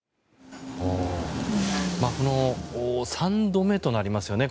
３度目となりますよね